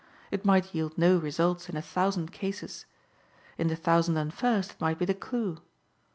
It might yield no results in a thousand cases. In the thousand and first it might be the clue.